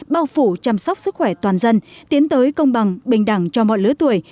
bao phủ chăm sóc sức khỏe toàn dân tiến tới công bằng bình đẳng cho mọi lứa tuổi